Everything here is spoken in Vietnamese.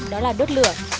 đó là đốt lửa